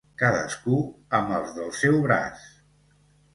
Cadascú amb els del seu braç.